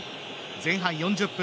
前半４０分。